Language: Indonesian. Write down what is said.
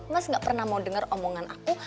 mas gak pernah mau dengar omongan aku